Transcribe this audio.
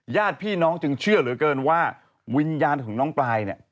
ญาติพี่น้องจึงเชื่อเหลือเกินว่าวิญญาณของน้องปลายเนี่ย